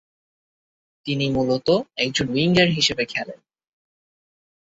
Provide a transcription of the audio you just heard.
তিনি মূলত একজন উইঙ্গার হিসেবে খেলেন।